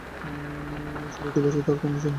ষোলোটি বছর, এবং তার কোন চিহ্ন নাই।